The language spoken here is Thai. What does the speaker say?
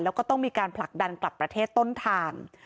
แล้วก็ต้องมีการผลักดันกลับประเทศต้นทาง